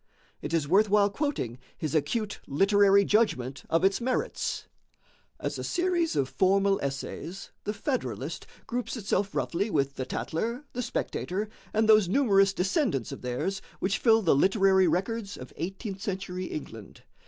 It is worth while quoting his acute literary judgment of its merits: "As a series of formal essays, the 'Federalist' groups itself roughly with the 'Tatler,' the 'Spectator,' and those numerous descendants of theirs which fill the literary records of eighteenth century England.